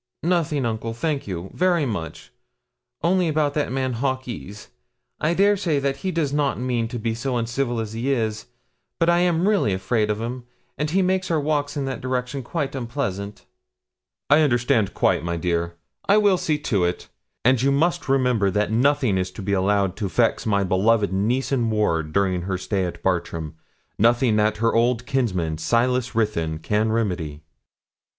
'Nothing, uncle, thank you, very much, only about that man, Hawkes; I dare say that he does not mean to be so uncivil as he is, but I am really afraid of him, and he makes our walks in that direction quite unpleasant.' 'I understand quite, my dear. I will see to it; and you must remember that nothing is to be allowed to vex my beloved niece and ward during her stay at Bartram nothing that her old kinsman, Silas Ruthyn, can remedy.'